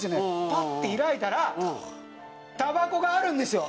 パッて開いたらたばこがあるんですよ！